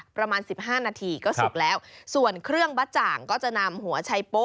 ประมาณสิบห้านาทีก็สุกแล้วส่วนเครื่องบะจ่างก็จะนำหัวชัยโป๊